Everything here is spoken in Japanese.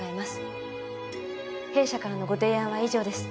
弊社からのご提案は以上です。